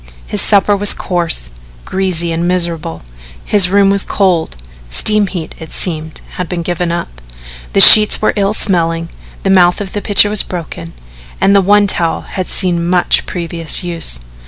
His supper was coarse, greasy and miserable, his room was cold (steam heat, it seemed, had been given up), the sheets were ill smelling, the mouth of the pitcher was broken, and the one towel had seen much previous use.